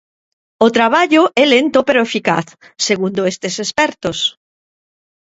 O traballo é lento pero eficaz, segundo estes expertos.